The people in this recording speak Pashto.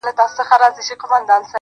• د دغه ښار ښکلي غزلي خیالوري غواړي.